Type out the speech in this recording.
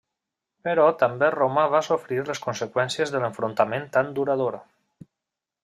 Però també Roma va sofrir les conseqüències de l'enfrontament tan durador.